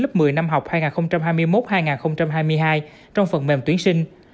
lớp một mươi năm học hai nghìn hai mươi một hai nghìn hai mươi hai trong phần mềm tuyển sinh